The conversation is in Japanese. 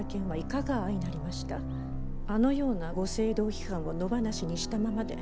あのようなご政道批判を野放しにしたままで。